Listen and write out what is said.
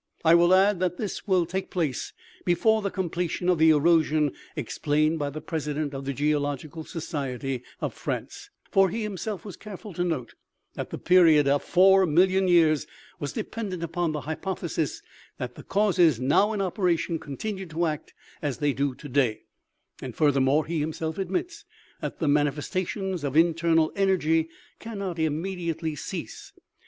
I will add that this will take place before the completion of the erosion explained by the president of the geological society of France ; for he, himself, was careful to note that the period of 4,000,000 years was dependent upon the hypothesis that the causes now in operation continued to act as they do today ; and, furthermore, he, himself, admits that the man ifestations of internal energy cannot immediately cease.